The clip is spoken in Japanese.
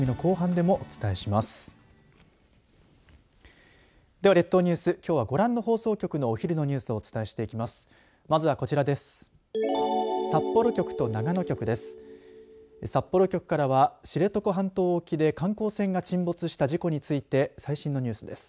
では、列島ニュースきょうはご覧の放送局のお昼のニュースをお伝えしていきます。